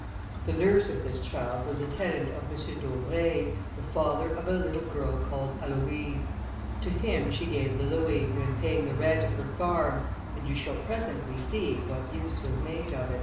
The nurse of this child was a tenant of M. d'Auvray, the father of a little girl called Aloïse. To him she gave the louis, when paying the rent of her farm, and you shall presently see what use was made of it.